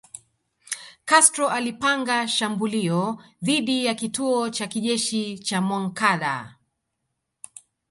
Castro alipanga shambulio dhidi ya kituo cha kijeshi cha Moncada